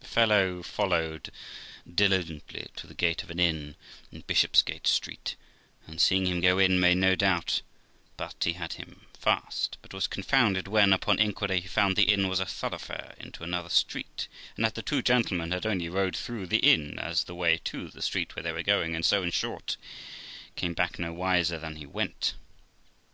The fellow followed diligently to the gate of an inn in Bishopsgate Street, and seeing him go in, made no doubt but he had him fast; but was confounded when, upon inquiry, he found the inn was a thoroughfare into another street, and that the two gentlemen had only rode through the inn, as the way to the street where they were going; and so, in short, came back no wiser than he went.